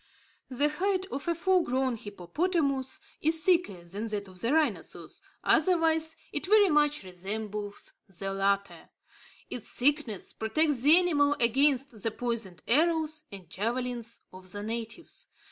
The hide of a full grown hippopotamus is thicker than that of the rhinoceros; otherwise, it very much resembles the latter. Its thickness protects the animal against the poisoned arrows and javelins of the natives.